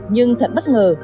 nhưng thật bất ngờ